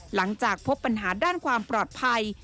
หลังจากพบปัญหาด้านความปลอดภัย